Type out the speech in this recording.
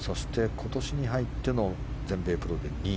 今年に入っての全米プロで２位。